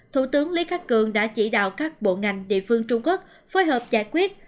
thủ tướng lý khắc cường đã chỉ đạo các bộ ngành địa phương trung quốc phối hợp giải quyết